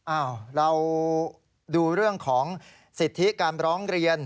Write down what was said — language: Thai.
อ้าวเราดูเรื่องของสิทธิการร้องเรียน